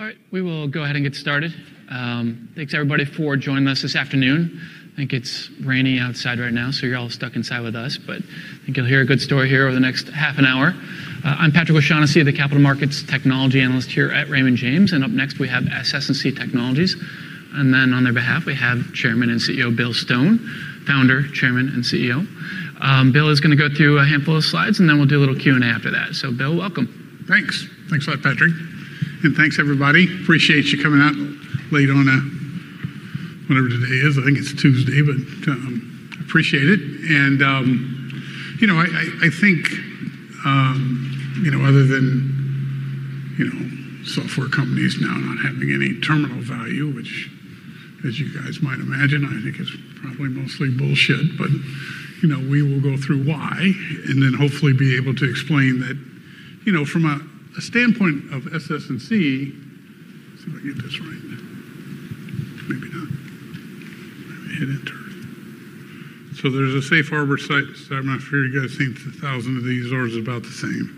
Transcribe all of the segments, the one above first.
All right. Good to see you. How you been? Pretty good. How are you? Good. Thank you. All right. I think we're live. All right. We will go ahead and get started. Thanks everybody for joining us this afternoon. I think it's rainy outside right now, so you're all stuck inside with us, but I think you'll hear a good story here over the next half an hour. I'm Patrick O'Shaughnessy, the capital markets technology Analyst here at Raymond James. Up next we have SS&C Technologies. On their behalf we have Chairman and CEO, Bill Stone, Founder, Chairman, and CEO. Bill is gonna go through a handful of slides, and then we'll do a little Q&A after that. Bill, welcome. Thanks. Thanks a lot, Patrick. Thanks, everybody. Appreciate you coming out late on whatever today is. I think it's Tuesday, but appreciate it. You know, I think, you know, other than, you know, software companies now not having any terminal value, which as you guys might imagine, I think is probably mostly bullshit, but, you know, we will go through why and then hopefully be able to explain that, you know, from a standpoint of SS&C... See if I can get this right. Maybe not. Hit enter. There's a safe harbor site, so I'm not sure you guys have seen a thousand of these. Ours is about the same.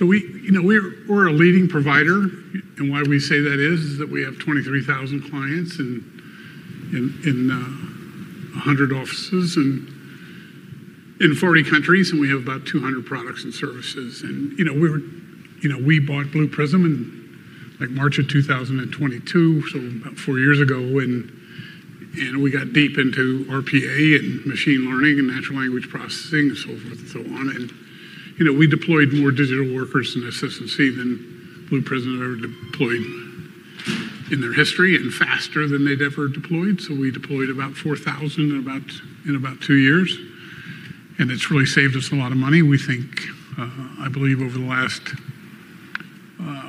We, you know, we're a leading provider, and why we say that is that we have 23,000 clients in 100 offices, in 40 countries, and we have about 200 products and services. You know, we bought Blue Prism in like March of 2022, so about four years ago and we got deep into RPA and machine learning and natural language processing and so forth and so on. You know, we deployed more digital workers in SS&C than Blue Prism had ever deployed in their history and faster than they'd ever deployed. We deployed about 4,000 in about two years, and it's really saved us a lot of money. We think, I believe over the last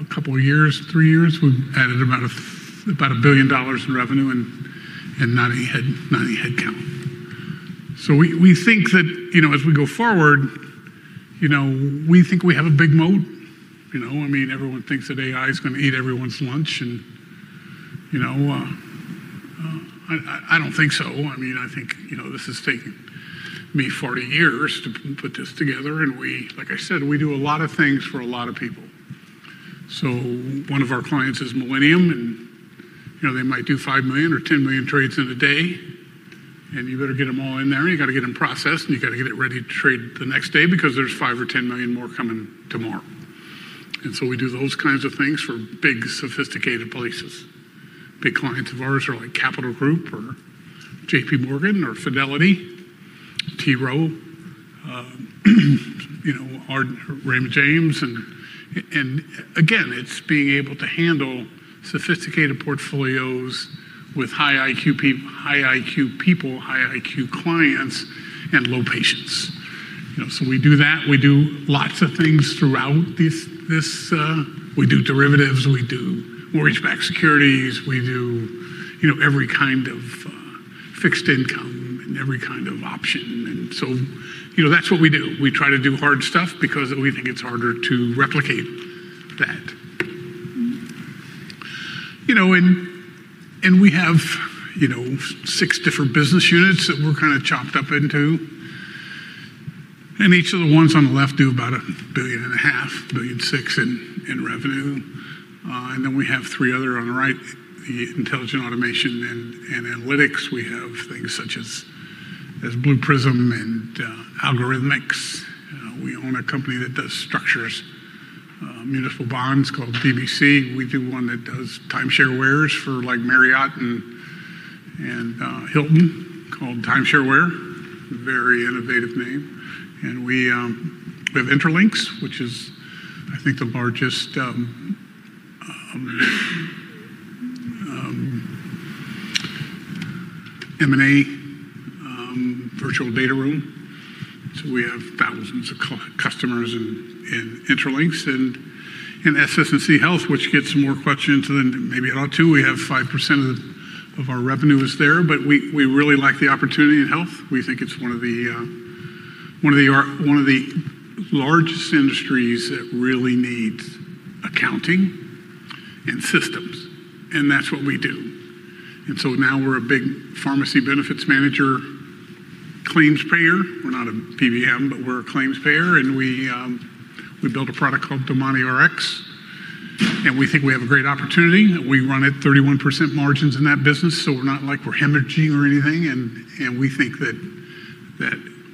couple years, three years, we've added about $1 billion in revenue and not any headcount. We think that, you know, as we go forward, you know, we think we have a big moat. You know, I mean, everyone thinks that AI is gonna eat everyone's lunch and, you know, I don't think so. I mean, I think, you know, this has taken me 40 years to put this together and like I said, we do a lot of things for a lot of people. One of our clients is Millennium, and, you know, they might do 5 million or 10 million trades in a day, and you gotta get them all in there, and you gotta get them processed, and you gotta get it ready to trade the next day because there's 5 million or 10 million more coming tomorrow. We do those kinds of things for big, sophisticated places. Big clients of ours are like Capital Group or JPMorgan or Fidelity, T. Rowe, you know, Raymond James. Again, it's being able to handle sophisticated portfolios with high-IQ people, high-IQ clients and low patience. You know, we do that. We do lots of things throughout this. We do derivatives, we do mortgage-backed securities, we do, you know, every kind of fixed income and every kind of option. You know, that's what we do. We try to do hard stuff because we think it's harder to replicate that. You know, we have, you know, six different business units that we're kinda chopped up into. Each of the ones on the left do about $1.5 billion-$1.6 billion in revenue. We have three other on the right, the intelligent automation and analytics. We have things such as Blue Prism and Algorithmics. We own a company that does structures municipal bonds called DBC. We do one that does timeshare wares for like Marriott and Hilton called TimeShareWare, very innovative name. We have Intralinks, which is I think the largest M&A virtual data room. We have thousands of customers in Intralinks and in SS&C Health, which gets more questions than maybe it ought to. We have 5% of our revenue is there, but we really like the opportunity in health. We think it's one of the largest industries that really needs accounting and systems, and that's what we do. Now we're a big pharmacy benefits manager claims payer. We're not a PBM, but we're a claims payer and we built a product called DomaniRx, and we think we have a great opportunity. We run at 31% margins in that business, we're not like we're hemorrhaging or anything, and we think that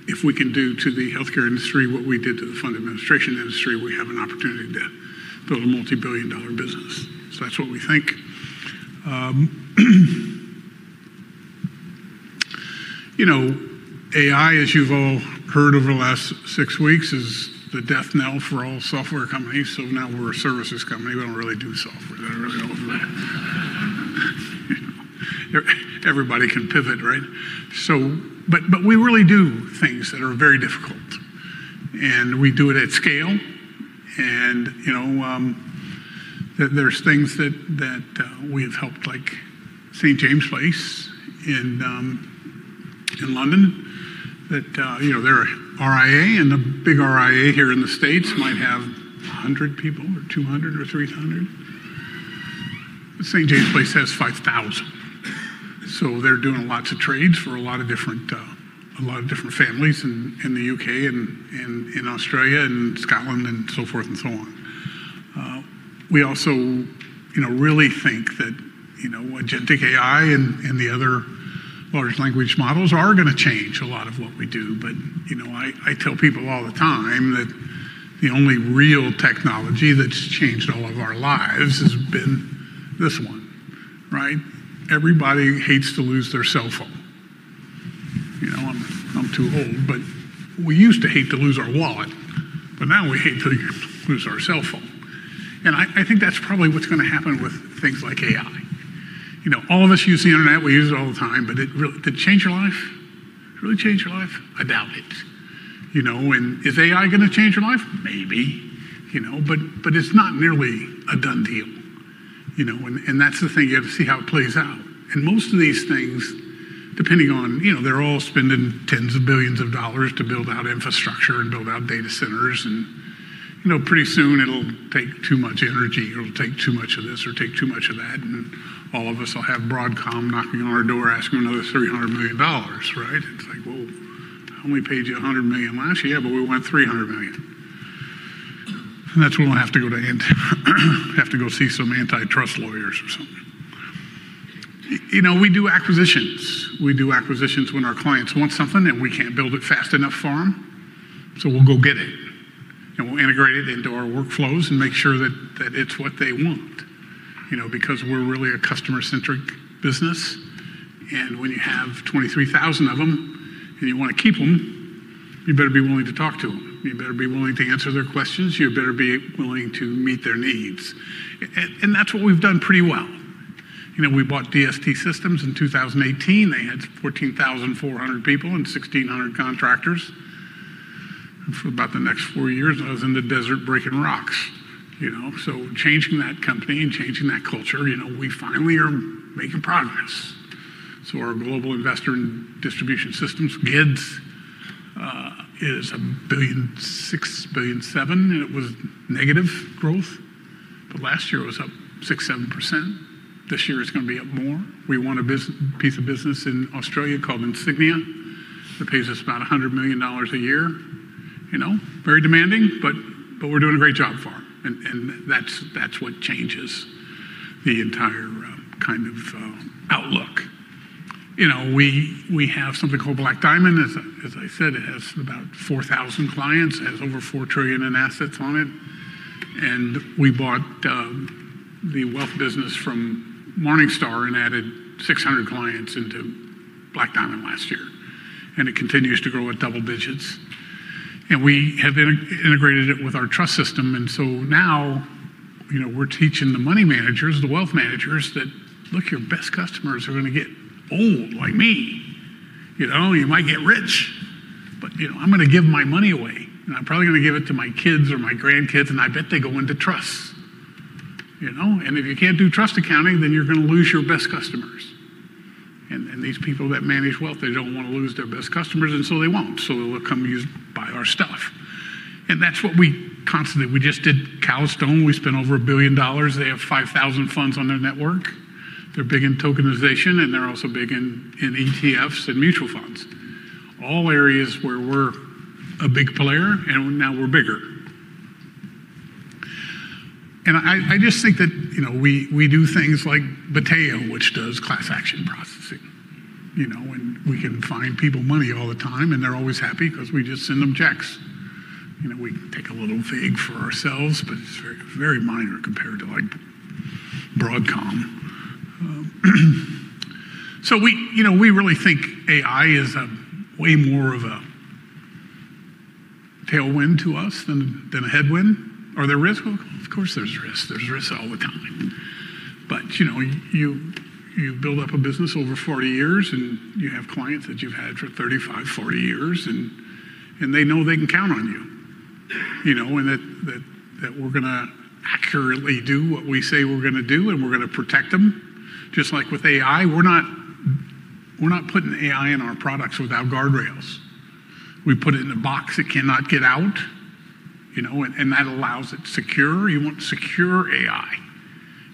if we can do to the healthcare industry what we did to the fund administration industry, we have an opportunity to build a multi-billion dollar business. That's what we think. You know, AI, as you've all heard over the last six weeks, is the death knell for all software companies, now we're a services company. We don't really do software. I don't really know. You know, everybody can pivot, right? But we really do things that are very difficult, and we do it at scale and, you know, there's things that we've helped like St. St. James's Place in London that, you know, their RIA and the big RIA here in the States might have 100 people or 200 or 300. St. James's Place has 5,000. They're doing lots of trades for a lot of different, a lot of different families in the U.K. and in Australia and Scotland and so forth and so on. We also, you know, really think that, you know, agentic AI and the other large language models are gonna change a lot of what we do. You know, I tell people all the time that the only real technology that's changed all of our lives has been this one, right? Everybody hates to lose their cell phone. You know, I'm too old, but we used to hate to lose our wallet, but now we hate to lose our cell phone. I think that's probably what's gonna happen with things like AI. You know, all of us use the Internet. We use it all the time, but it really. Did it change your life? Did it really change your life? I doubt it. You know, is AI gonna change your life? Maybe. You know, it's not nearly a done deal, you know. That's the thing, you have to see how it plays out. Most of these things, depending on, you know, they're all spending tens of billions of dollars to build out infrastructure and build out data centers and, you know, pretty soon it'll take too much energy, or it'll take too much of this or take too much of that, and all of us will have Broadcom knocking on our door asking another $300 million, right? It's like, "Well, I only paid you $100 million last year." "But we want $300 million." That's when we'll have to go see some antitrust lawyers or something. You know, we do acquisitions. We do acquisitions when our clients want something, and we can't build it fast enough for 'em, so we'll go get it, and we'll integrate it into our workflows and make sure that it's what they want, you know, because we're really a customer-centric business. When you have 23,000 of 'em and you wanna keep 'em, you better be willing to talk to 'em. You better be willing to answer their questions. You better be willing to meet their needs. That's what we've done pretty well. You know, we bought DST Systems in 2018. They had 14,400 people and 1,600 contractors. For about the next four years, I was in the desert breaking rocks, you know. Changing that company and changing that culture, you know, we finally are making progress. Our Global Investor and Distribution Solutions, GIDS, is $1.6 billion, $1.7 billion, and it was negative growth. Last year it was up 6%, 7%. This year it's gonna be up more. We won a piece of business in Australia called Insignia that pays us about $100 million a year. You know, very demanding, but we're doing a great job for 'em, and that's what changes the entire kind of outlook. You know, we have something called Black Diamond. As I said, it has about 4,000 clients. It has over $4 trillion in assets on it. We bought the wealth business from Morningstar and added 600 clients into Black Diamond last year, and it continues to grow at double digits. We have integrated it with our trust system. Now, you know, we're teaching the money managers, the wealth managers, that, look, your best customers are gonna get old like me. You know, you might get rich, but, you know, I'm gonna give my money away, and I'm probably gonna give it to my kids or my grandkids, and I bet they go into trusts. You know? If you can't do trust accounting, then you're gonna lose your best customers. These people that manage wealth, they don't wanna lose their best customers. They won't. They'll come use, buy our stuff. That's what we constantly... We just did Calastone. We spent over $1 billion. They have 5,000 funds on their network. They're big in tokenization, and they're also big in ETFs and mutual funds, all areas where we're a big player, and now we're bigger. I just think that, you know, we do things like Battea, which does class action processing. You know, we can find people money all the time, and they're always happy because we just send them checks. You know, we take a little fee for ourselves, but it's very, very minor compared to, like, Broadcom. We, you know, we really think AI is a way more of a tailwind to us than a headwind. Are there risks? Well, of course there's risks. There's risks all the time. You know, you build up a business over 40 years, and you have clients that you've had for 35, 40 years, and they know they can count on you know, and that, that we're gonna accurately do what we say we're gonna do, and we're gonna protect them. Just like with AI, we're not putting AI in our products without guardrails. We put it in a box that cannot get out, you know, and that allows it secure. You want secure AI,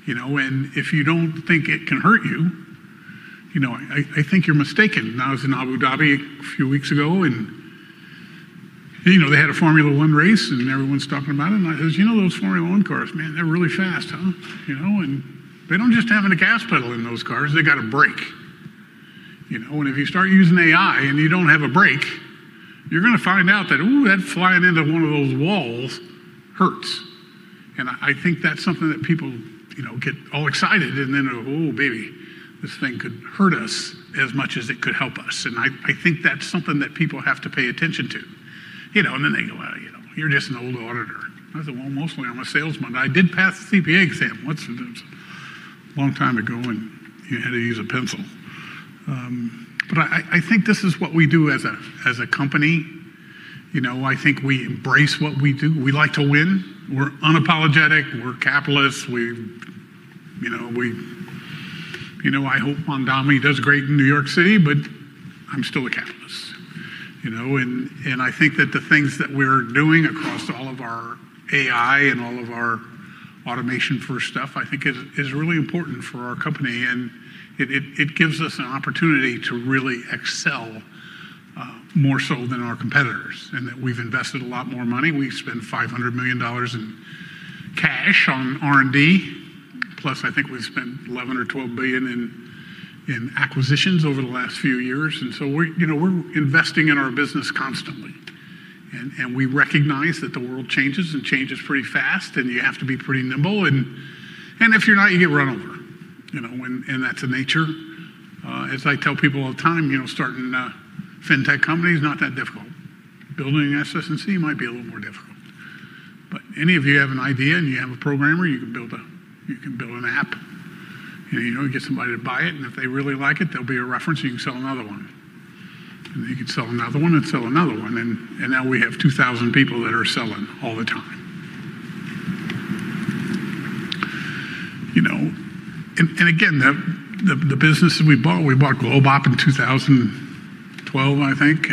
you know, and if you don't think it can hurt you know, I think you're mistaken. I was in Abu Dhabi a few weeks ago, and, you know, they had a Formula 1 race, and everyone's talking about it, and I says, "You know those Formula 1 cars, man, they're really fast, huh? You know, they don't just have a gas pedal in those cars. They got a brake. You know, if you start using AI and you don't have a brake, you're gonna find out that, ooh, that flying into one of those walls hurts." I think that's something that people, you know, get all excited and then go, "Oh, baby, this thing could hurt us as much as it could help us." I think that's something that people have to pay attention to. You know, they go, "Well, you know, you're just an old auditor." I said, "Well, mostly I'm a salesman. I did pass the CPA exam once. It was a long time ago, and you had to use a pencil." But I think this is what we do as a company. You know, I think we embrace what we do. We like to win. We're unapologetic. We're capitalists. You know, I hope Cuomo does great in New York City, I'm still a capitalist, you know. I think that the things that we're doing across all of our AI and all of our automation-first stuff, I think is really important for our company, and it gives us an opportunity to really excel more so than our competitors. In that we've invested a lot more money. We've spent $500 million in cash on R&D, plus I think we've spent $11 billion or $12 billion in acquisitions over the last few years. We're, you know, we're investing in our business constantly and we recognize that the world changes and changes pretty fast, and you have to be pretty nimble and if you're not, you get run over, you know. That's the nature. As I tell people all the time, you know, starting a fintech company is not that difficult. Building SS&C might be a little more difficult, but any of you have an idea, and you have a programmer, you can build an app, you know, get somebody to buy it, and if they really like it, there'll be a reference, and you can sell another one, and you could sell another one and sell another one and now we have 2,000 people that are selling all the time. You know, again, the, the business that we bought, we bought GlobeOp in 2012, I think.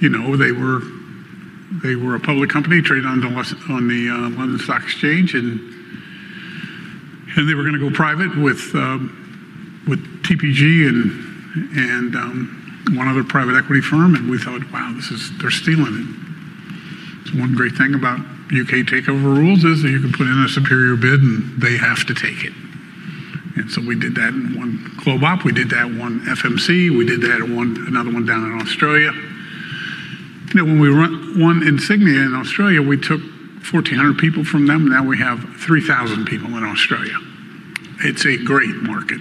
You know, they were a public company trading on the London Stock Exchange, and they were gonna go private with TPG and one other private equity firm, we thought, "Wow, they're stealing it." One great thing about U.K. takeover rules is that you can put in a superior bid, and they have to take it. We did that in one GlobeOp. We did that in one FMC. We did that in one another one down in Australia. You know, when we won Insignia in Australia, we took 1,400 people from them. Now we have 3,000 people in Australia. It's a great market.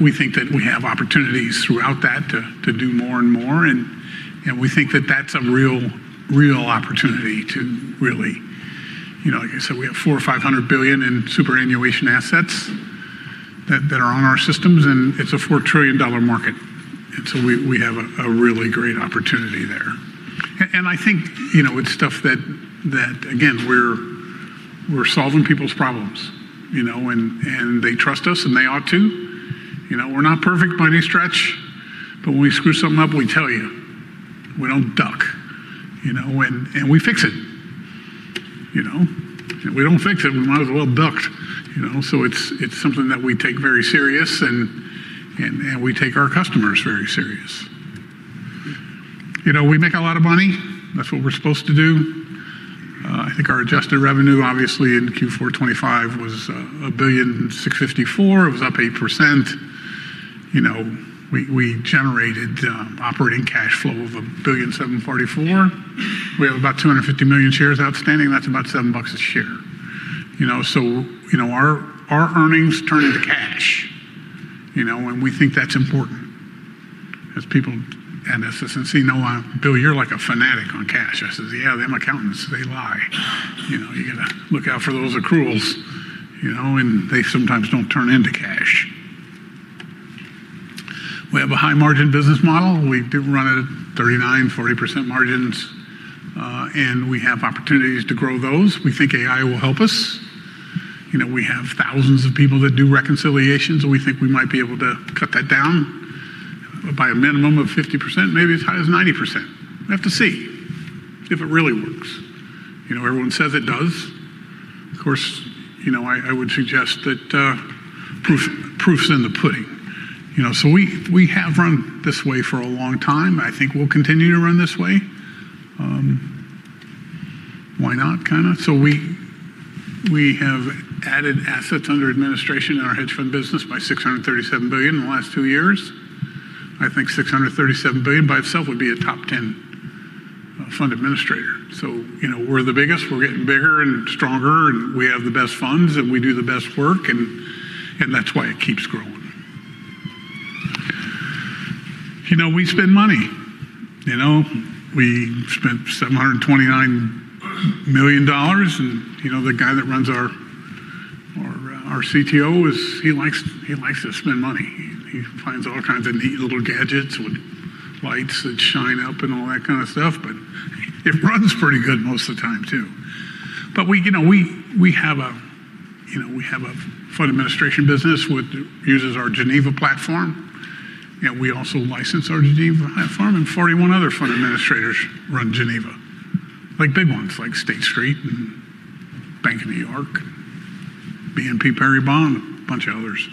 We think that we have opportunities throughout that to do more and more, and we think that that's a real opportunity to really. You know, like I said, we have $400 billion-$500 billion in superannuation assets that are on our systems. It's a $4 trillion market, so we have a really great opportunity there. I think, you know, it's stuff that again, we're solving people's problems, you know, and they trust us, and they ought to. You know, we're not perfect by any stretch. When we screw something up, we tell you. We don't duck, you know, and we fix it, you know. If we don't fix it, we might as well duck, you know. It's something that we take very serious, and we take our customers very serious. You know, we make a lot of money. That's what we're supposed to do. I think our adjusted revenue, obviously in Q4 2025 was $1.654 billion. It was up 8%. You know, we generated operating cash flow of $1.744 billion. We have about 250 million shares outstanding. That's about $7 a share. You know, our earnings turn into cash, you know, and we think that's important. As people at SS&C know, "Bill, you're like a fanatic on cash." I says, "Yeah, them accountants, they lie." You know, you gotta look out for those accruals, you know, and they sometimes don't turn into cash. We have a high-margin business model. We do run at 39%-40% margins, and we have opportunities to grow those. We think AI will help us. You know, we have thousands of people that do reconciliations, and we think we might be able to cut that down by a minimum of 50%, maybe as high as 90%. We have to see if it really works. You know, everyone says it does. Of course, you know, I would suggest that proof's in the pudding. You know, we have run this way for a long time. I think we'll continue to run this way. Why not, kinda? We have added assets under administration in our hedge fund business by $637 billion in the last two years. I think $637 billion by itself would be a top 10 fund administrator. You know, we're the biggest. We're getting bigger and stronger, and we have the best funds, and we do the best work and that's why it keeps growing. You know, we spend money. You know, we spent $729 million and, you know, the guy that runs our CTO, he likes to spend money. He finds all kinds of neat little gadgets with lights that shine up and all that kind of stuff, but it runs pretty good most of the time too. We, you know, we have a fund administration business, which uses our Geneva platform, and we also license our Geneva platform, and 41 other fund administrators run Geneva. Like big ones like State Street and Bank of New York, BNP Paribas, and a bunch of others.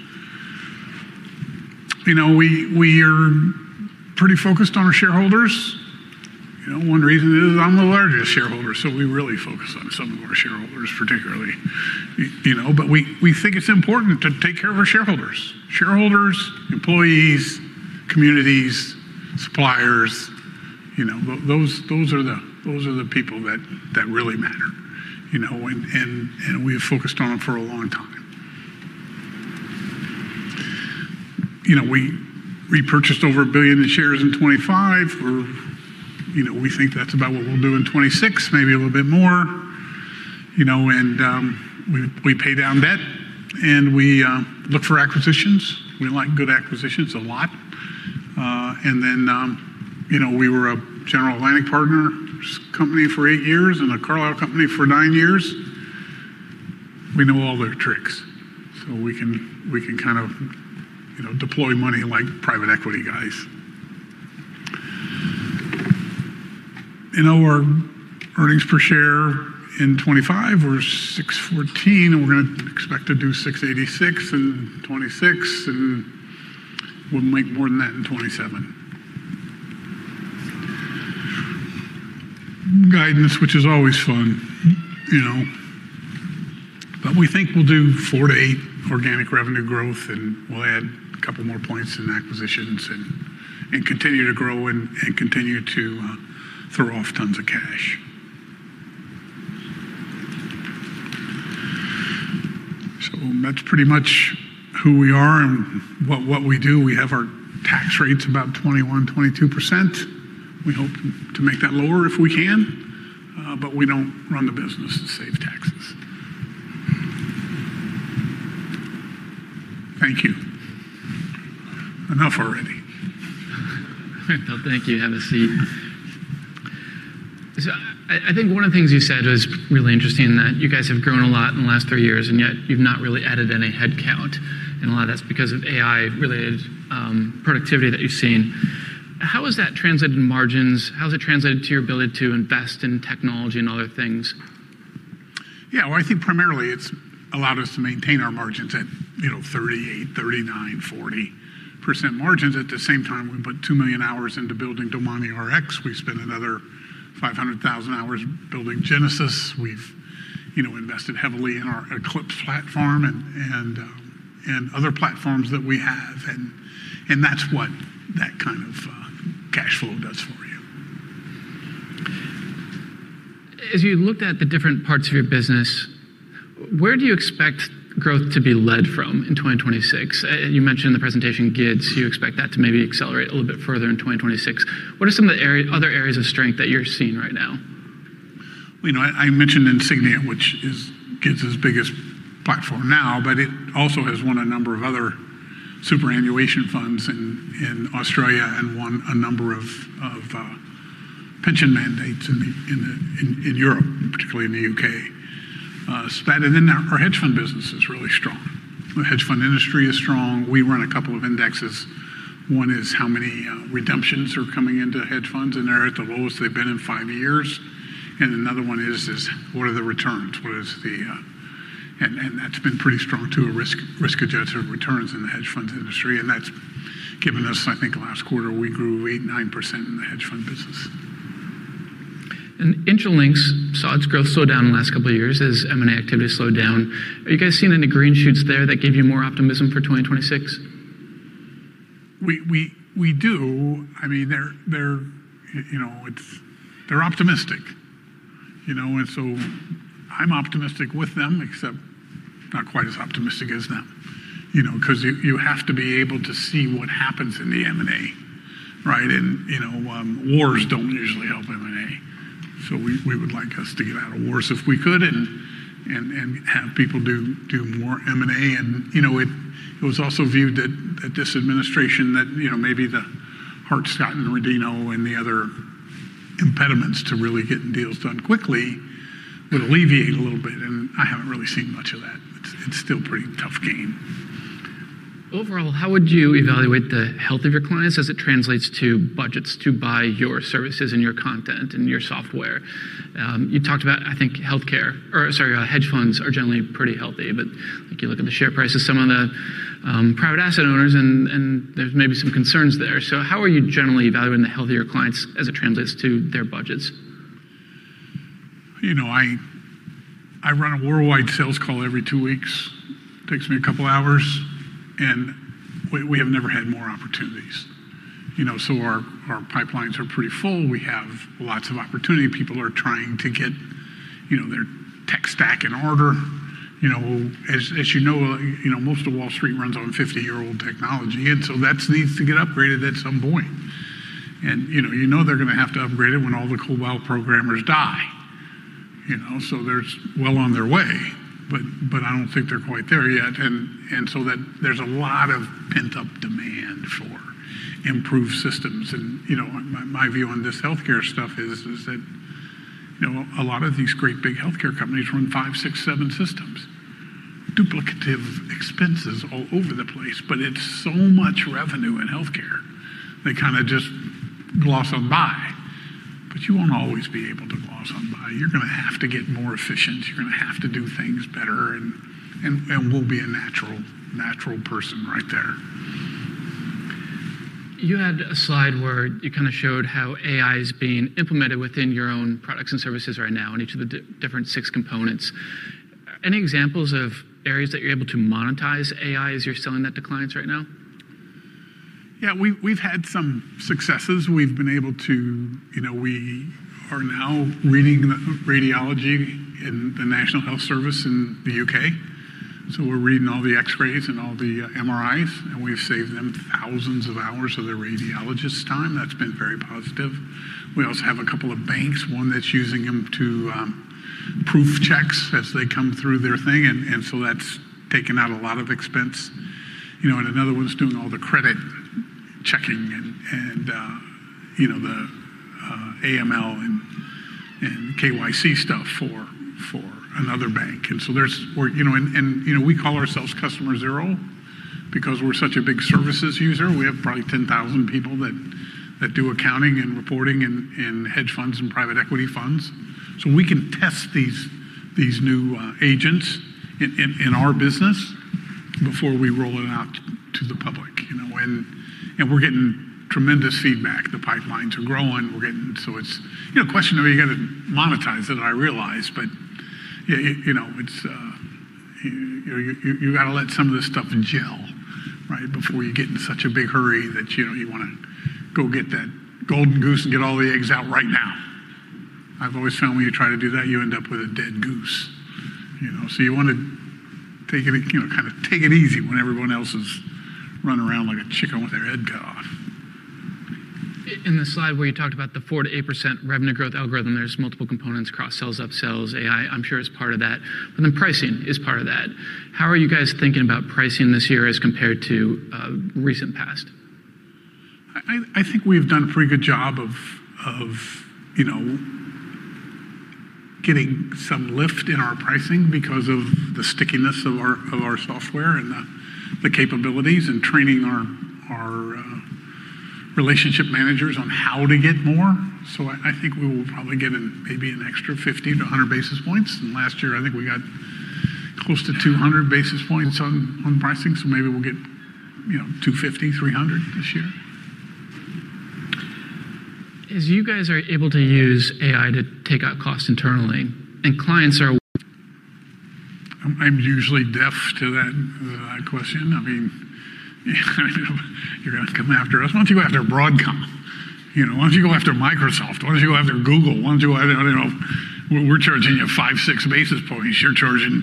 We are pretty focused on our shareholders. One reason is I'm the largest shareholder, so we really focus on some of our shareholders particularly. We think it's important to take care of our shareholders. Shareholders, employees, communities, suppliers, those are the people that really matter. We have focused on them for a long time. We repurchased over 1 billion shares in 2025. We think that's about what we'll do in 2026, maybe a little bit more. We pay down debt, and we look for acquisitions. We like good acquisitions a lot. We were a General Atlantic partner company for eight years and a Carlyle company for nine years. We know all their tricks. We can kind of, you know, deploy money like private equity guys. You know, our earnings per share in 2025 were $6.14, and we're gonna expect to do $6.86 in 2026, and we'll make more than that in 2027. Guidance, which is always fun, you know. We think we'll do 4%-8% organic revenue growth, and we'll add a couple more points in acquisitions and continue to grow and continue to throw off tons of cash. That's pretty much who we are and what we do. We have our tax rates about 21%-22%. We hope to make that lower if we can, but we don't run the business to save taxes. Thank you. Enough already. Well, thank you. Have a seat. I think one of the things you said was really interesting that you guys have grown a lot in the last three years, and yet you've not really added any headcount, and a lot of that's because of AI-related productivity that you've seen. How has that translated in margins? How has it translated to your ability to invest in technology and other things? Yeah. Well, I think primarily it's allowed us to maintain our margins at, you know, 38%, 39%, 40% margins. At the same time, we put 2 million hours into building DomaniRx. We spent another 500,000 hours building Genesis. We've, you know, invested heavily in our Eclipse platform and other platforms that we have and that's what that kind of cash flow does for you. As you looked at the different parts of your business, where do you expect growth to be led from in 2026? You mentioned the presentation GIDS. You expect that to maybe accelerate a little bit further in 2026. What are some of the other areas of strength that you're seeing right now? Well, you know, I mentioned Insignia, which is GIDS' biggest platform now, but it also has won a number of other superannuation funds in Australia and won a number of pension mandates in Europe, particularly in the U.K. SS&C's hedge fund business is really strong. The hedge fund industry is strong. We run a couple of indexes. One is how many redemptions are coming into hedge funds, and they're at the lowest they've been in five years. Another one is what are the returns? That's been pretty strong too, risk-adjusted returns in the hedge fund industry. That's given us, I think last quarter, we grew 8%-9% in the hedge fund business. Intralinks saw its growth slow down in the last couple of years as M&A activity slowed down. Are you guys seeing any green shoots there that give you more optimism for 2026? We do. I mean, you know, they're optimistic, you know. I'm optimistic with them, except not quite as optimistic as them, you know, 'cause you have to be able to see what happens in the M&A, right? You know, wars don't usually help M&A. We would like us to get out of wars if we could and have people do more M&A. You know, it was also viewed that this administration that, you know, maybe the Hart-Scott-Rodino and the other impediments to really getting deals done quickly would alleviate a little bit, and I haven't really seen much of that. It's still pretty tough game. Overall, how would you evaluate the health of your clients as it translates to budgets to buy your services and your content and your software? You talked about, I think, healthcare, or sorry, hedge funds are generally pretty healthy. Like, you look at the share prices of some of the private asset owners and there's maybe some concerns there. How are you generally evaluating the health of your clients as it translates to their budgets? You know, I run a worldwide sales call every two weeks. Takes me a couple hours. We have never had more opportunities. You know, our pipelines are pretty full. We have lots of opportunity. People are trying to get, you know, their tech stack in order. You know, as you know, you know, most of Wall Street runs on 50-year-old technology, that's needs to get upgraded at some point. You know, you know they're gonna have to upgrade it when all the COBOL programmers die. You know, they're well on their way, but I don't think they're quite there yet. That there's a lot of pent-up demand for improved systems. You know, my view on this healthcare stuff is that, you know, a lot of these great big healthcare companies run five, six, seven systems. Duplicative expenses all over the place, but it's so much revenue in healthcare, they kinda just gloss on by. You won't always be able to gloss on by. You're gonna have to get more efficient. You're gonna have to do things better and we'll be a natural person right there. You had a slide where you kinda showed how AI is being implemented within your own products and services right now in each of the different six components. Any examples of areas that you're able to monetize AI as you're selling that to clients right now? We've had some successes. We've been able to... You know, we are now reading the radiology in the National Health Service in the U.K. We're reading all the X-rays and all the MRIs, and we've saved them thousands of hours of the radiologist's time. That's been very positive. We also have a couple of banks, one that's using them to proof checks as they come through their thing, and so that's taken out a lot of expense. You know, and another one's doing all the credit checking and, you know, AML and KYC stuff for another bank. We're, you know, and, you know, we call ourselves customer zero because we're such a big services user. We have probably 10,000 people that do accounting and reporting and hedge funds and private equity funds. We can test these new agents in our business before we roll it out to the public, you know. We're getting tremendous feedback. The pipelines are growing. We're getting. It's, you know, a question of you gotta monetize it, I realize. You know, it's, you gotta let some of this stuff gel, right? Before you get in such a big hurry that, you know, you wanna go get that golden goose and get all the eggs out right now. I've always found when you try to do that, you end up with a dead goose, you know. You wanna take it you know, kinda take it easy when everyone else is running around like a chicken with their head cut off. In the slide where you talked about the 4%-8% revenue growth algorithm, there's multiple components, cross-sells, up-sells, AI, I'm sure is part of that, and then pricing is part of that. How are you guys thinking about pricing this year as compared to recent past? I think we've done a pretty good job of, you know, getting some lift in our pricing because of the stickiness of our software and the capabilities and training our relationship managers on how to get more. I think we will probably get an maybe an extra 50-100 basis points. Last year, I think we got close to 200 basis points on pricing, maybe we'll get, you know, 250, 300 this year. As you guys are able to use AI to take out cost internally and clients are... I'm usually deaf to that question. I mean, you're gonna come after us. Why don't you go after Broadcom? You know, why don't you go after Microsoft? Why don't you go after Google? I don't know. We're charging you 5, 6 basis points. You're charging,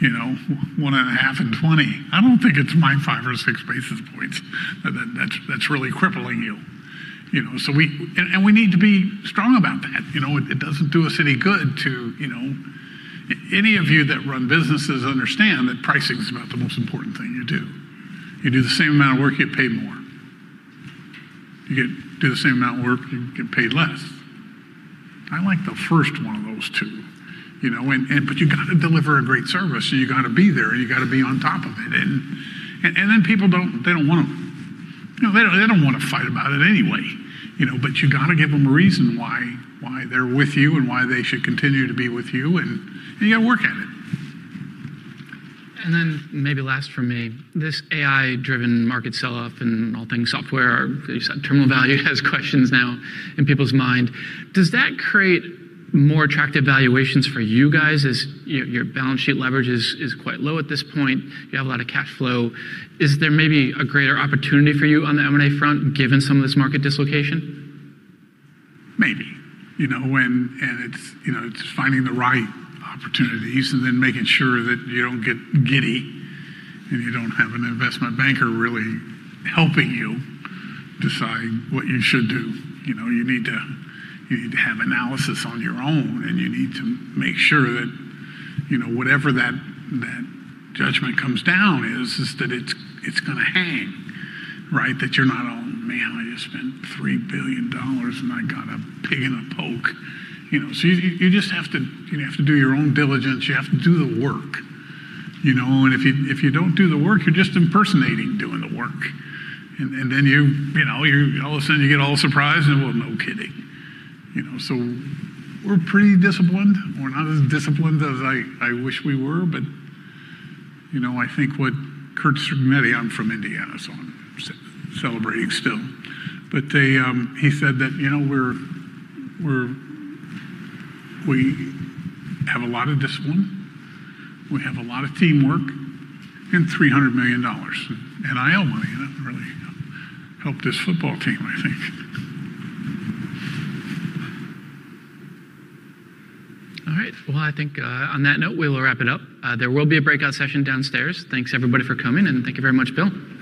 you know, 1.5 and 20. I don't think it's my 5 or 6 basis points that's really crippling you know. We need to be strong about that, you know. It doesn't do us any good to, you know. Any of you that run businesses understand that pricing is about the most important thing you do. You do the same amount of work, you get paid more. You do the same amount of work, you get paid less. I like the first one of those two, you know. You gotta deliver a great service, so you gotta be there and you gotta be on top of it. People don't, they don't wanna, you know, wanna fight about it anyway, you know. You gotta give them a reason why they're with you and why they should continue to be with you, and you gotta work at it. Maybe last from me, this AI-driven market sell-off and all things software, you said terminal value has questions now in people's mind. Does that create more attractive valuations for you guys as your balance sheet leverage is quite low at this point? You have a lot of cash flow. Is there maybe a greater opportunity for you on the M&A front given some of this market dislocation? Maybe. You know, it's, you know, it's finding the right opportunities and then making sure that you don't get giddy and you don't have an investment banker really helping you decide what you should do. You know, you need to have analysis on your own, and you need to make sure that, you know, whatever that judgment comes down is that it's gonna hang, right? That you're not, "Oh, man, I just spent $3 billion and I got a pig in a poke," you know. You just have to do your own diligence. You have to do the work, you know. If you don't do the work, you're just impersonating doing the work. Then you know, you all of a sudden you get all surprised and, "Well, no kidding." You know, we're pretty disciplined. We're not as disciplined as I wish we were, but, you know, I think what Curt Cignetti, I'm from Indiana, so I'm celebrating still. He said that, you know, we have a lot of discipline, we have a lot of teamwork, and $300 million. I owe money that really helped this football team, I think. All right. Well, I think, on that note, we will wrap it up. There will be a breakout session downstairs. Thanks everybody for coming, and thank you very much, Bill. My pleasure.